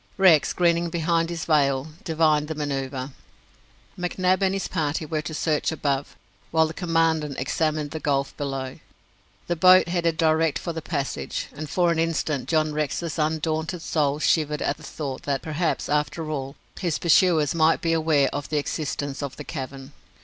Rex, grinning behind his veil, divined the manoeuvre. McNab and his party were to search above, while the Commandant examined the gulf below. The boat headed direct for the passage, and for an instant John Rex's undaunted soul shivered at the thought that, perhaps, after all, his pursuers might be aware of the existence of the cavern.